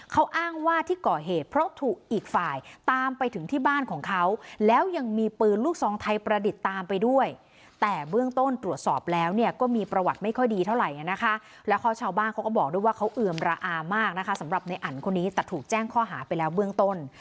เขาอ้างว่าที่ก่อเหตุเพราะถูกอีกฝ่ายตามไปถึงที่บ้านของเขาแล้วยังมีปืนลูกซองไทยประดิษฐ์ตามไปด้วยแต่เบื้องต้นตรวจสอบแล้วเนี่ยก็มีประวัติไม่ค่อยดีเท่าไหร่นะคะแล้วเขาชาวบ้านเขาก็บอกด้วยว่าเขาเอือมระอามากนะคะสำหรับในอันคนนี้แต่ถูกแจ้งข้อหาไปแล้วเบื้องต้น